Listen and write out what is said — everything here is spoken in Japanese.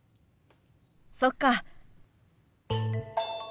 そっか。